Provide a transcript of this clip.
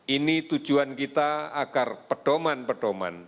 ini tujuan kita agar pedoman pedoman